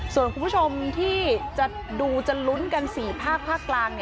ส่วนคุณผู้ชมที่จะดูจะลุ้นกัน๔ภาคภาคกลาง